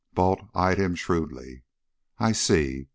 Balt eyed him shrewdly. "I see!